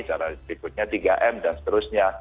cara berikutnya tiga m dan seterusnya